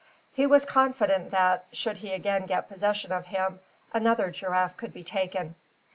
He was confident that, should he again get possession of him, another giraffe could be taken.